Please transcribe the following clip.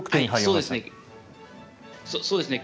そうですね。